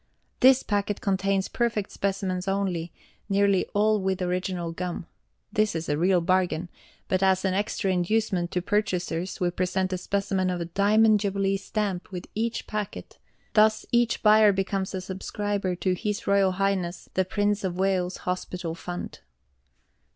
This packet contains perfect specimens only, nearly all with original gum. This is a real bargain, but as an extra inducement to purchasers we present a specimen of a Diamond Jubilee Stamp with each packet; thus each buyer becomes a subscriber to H.R.H. the Prince of Wales' Hospital Fund.